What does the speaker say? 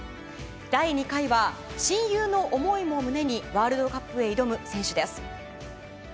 第２回は、親友の思いも胸にワールドカップへ挑む選手です。